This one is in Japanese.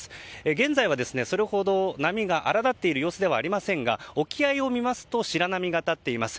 現在はそれほど波が荒立っている様子ではありませんが沖合を見ますと白波が立っています。